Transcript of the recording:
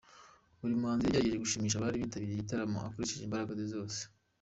Buri muhanzi yagerageje gushimisha abari bitabiriye igitaramo akoresheje imbaraga ze zose.